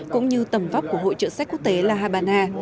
cũng như tầm vóc của hội trợ sách quốc tế la habana